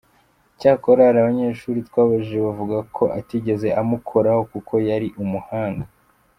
Cyakora hari abanyeshuri twabajije bavuga ko atigeze amukoraho kuko yari umuhanga.